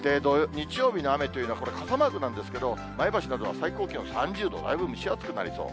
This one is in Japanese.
日曜日の雨というのはこれ、傘マークなんですけど、前橋などは最高気温３０度、だいぶ蒸し暑くなりそう。